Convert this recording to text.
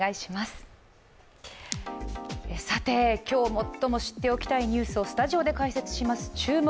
今日最も知っておきたいニュースをスタジオで解説します、「注目！